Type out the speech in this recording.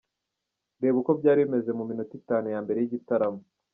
Reba uko byari bimeze mu minota itanu ya mbere y'igitaramo.